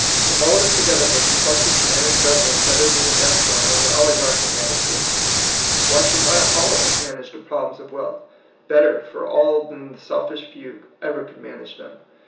If all of us together may be trusted to manage government better than the despot or the oligarchy managed it, why should not all of us manage the problems of wealth better for all than the selfish few ever could manage them?